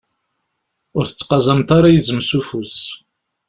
Ur tettqazameḍ ara izem s ufus.